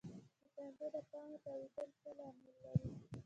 د پنبې د پاڼو تاویدل څه لامل لري؟